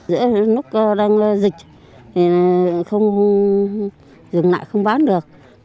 lúc đang dịch thì dừng lại không bán được